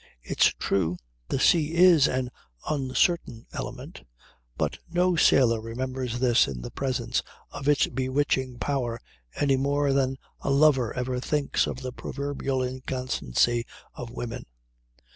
It's true the sea is an uncertain element, but no sailor remembers this in the presence of its bewitching power any more than a lover ever thinks of the proverbial inconstancy of women.